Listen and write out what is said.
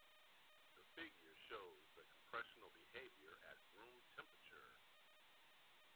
The figure shows the compressional behaviour at room temperature.